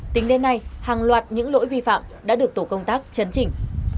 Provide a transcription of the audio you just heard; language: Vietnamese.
tính đến nay hàng loạt những lỗi vi phạm đã được tổ công tác chấn chỉnh